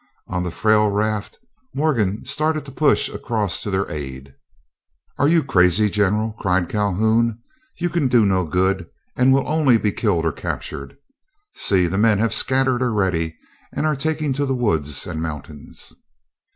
On the frail raft, Morgan started to push across to their aid. "Are you crazy, General," cried Calhoun; "you can do no good, and will only be killed or captured. See, the men have scattered already, and are taking to the woods and mountains."